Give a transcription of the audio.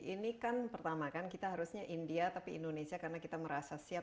ini kan pertama kan kita harusnya india tapi indonesia karena kita merasa siap